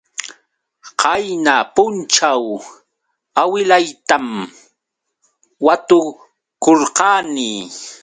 Qayna punćhaw awilaytam watukurqani.